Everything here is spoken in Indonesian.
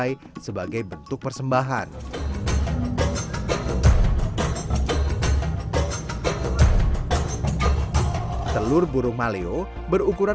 pemotongan kebanyakan lembu telur yang telah disembahkan